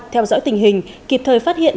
theo dõi tình hình kịp thời phát hiện